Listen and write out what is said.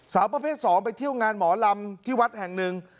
สาวประเภท๒ไปเที่ยวงานหมอลำที่วัดแห่งหนึ่ง